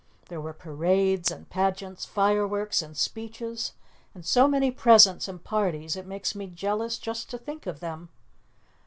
There were parades and pageants, fireworks and speeches and so many presents and parties it makes me jealous just to think of them.